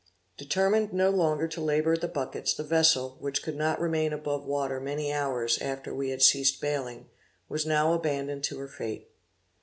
Determined no longer to labor at the buckets, the vessel, which could not remain above water many hours after we had ceased baling, was now abandoned to her fate.